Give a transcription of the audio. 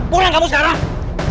pulang kamu sekarang